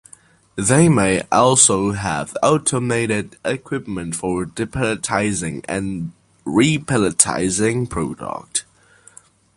They may also have automated equipment for de-palletizing and re-palletizing product.